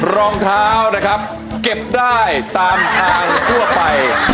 รองเท้านะครับเก็บได้ตามทางทั่วไป